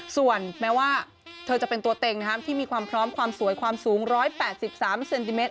ส่วนแม้ว่าเธอจะเป็นตัวเต็งที่มีความพร้อมความสวยความสูง๑๘๓เซนติเมต